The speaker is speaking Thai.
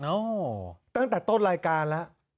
ตั้งแต่ต้นรายการแล้ว